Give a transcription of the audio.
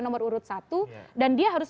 nomor urut satu dan dia harus